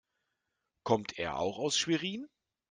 Kommt er auch aus Schwerin?